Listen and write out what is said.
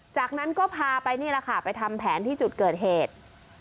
จากนั้นก็พาไปนี่แหละค่ะไปทำแผนที่จุดเกิดเหตุ